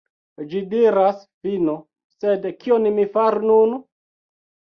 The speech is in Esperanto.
Ĝi diras "fino", sed kion mi faru nun?